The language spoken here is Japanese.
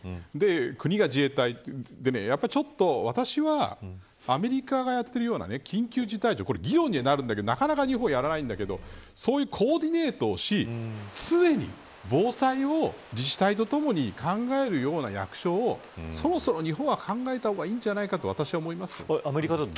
国が自衛隊で私はアメリカがやっているような緊急事態時はこれ議論になるんだけど日本はなかなかやらないんだけどそういうコーディネートをして常に防災を自治体とともに考えるような役所をそろそろ日本は考えた方がいいんじゃないかと私は思います。